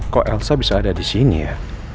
kok elsa bisa ada di sini ya